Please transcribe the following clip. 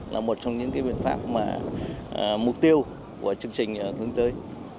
là một trong những biện pháp mà mục tiêu của chương trình hướng tới